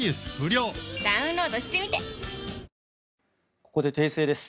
ここで訂正です。